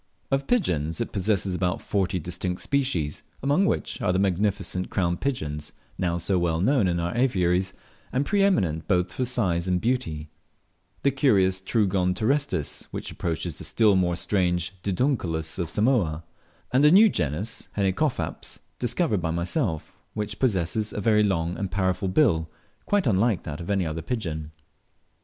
Of pigeons it possesses about forty distinct species, among which are the magnificent crowned pigeons, now so well known in our aviaries, and pre eminent both for size and beauty; the curious Trugon terrestris, which approaches the still more strange Didunculus of Samoa; and a new genus (Henicophaps), discovered by myself, which possesses a very long and powerful bill, quite unlike that of any other pigeon.